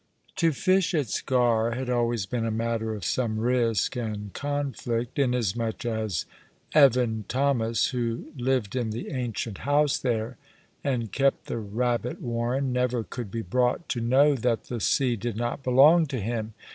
To fish at Sker had always been a matter of some risk and conflict; inasmuch as Evan Thomas, who lived in the ancient house there, and kept the rabbit warren, never could be brought to know that the sea did not belong to him.